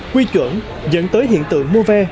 quy chuẩn dẫn tới hiện tượng mô ve